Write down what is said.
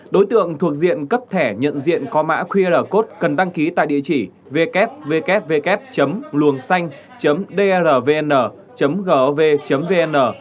đối tượng thuộc diện cấp thẻ nhận diện có mã qr code cần đăng ký tại địa chỉ wwnh drvn gov vn